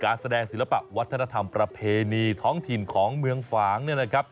การแสดงศิลปะวัฒนธรรมประเพณีท้องถิ่นของเมืองฝางเนี่ยนะครับ